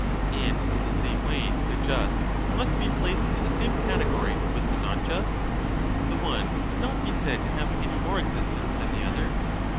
And, in the same way, the just must be placed in the same category with the not just — the one cannot be said to have any more existence than the other.